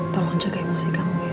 tolong jaga emosi kamu ya